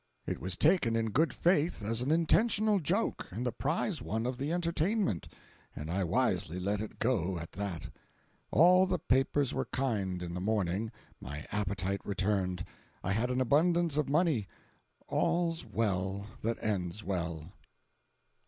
It was taken in good faith as an intentional joke, and the prize one of the entertainment, and I wisely let it go at that. All the papers were kind in the morning; my appetite returned; I had a abundance of money. All's well that ends well.